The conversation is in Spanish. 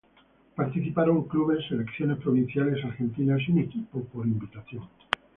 Participaron clubes, selecciones provinciales argentinas y un equipo por invitación.